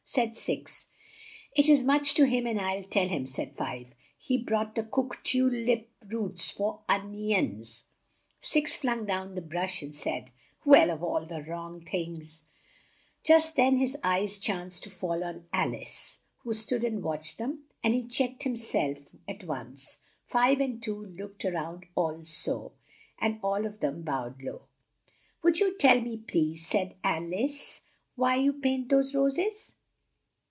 said Six. "It is much to him and I'll tell him," said Five. "He brought the cook tu lip roots for on ions." Six flung down the brush and said, "Well, of all the wrong things " Just then his eyes chanced to fall on Al ice, who stood and watched them, and he checked him self at once; Five and Two looked round al so, and all of them bowed low. "Would you tell me, please," said Al ice, "why you paint those ros es?"